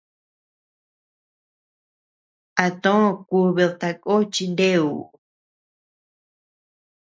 A too kubid tako chi neuu.